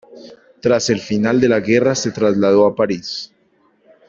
Tras el final de la guerra se trasladó a París.